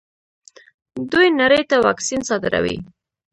دوی نړۍ ته واکسین صادروي.